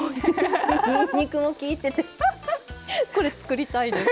にんにくも効いててこれ作りたいです。